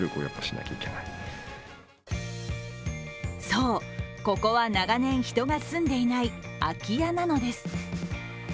そう、ここは長年、人が住んでいない空き家なのです。